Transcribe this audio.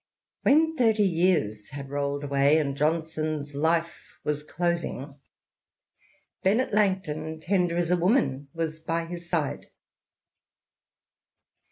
When thirty years had rolled away, and Johnson's life was closing, Bennet Langton — tender as a woman — ^was by his side.